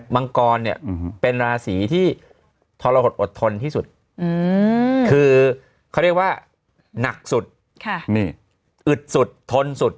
มังกรเนี่ยเป็นราศีที่ทรหดอดทนที่สุดคือเขาเรียกว่าหนักสุดอึดสุดทนสุด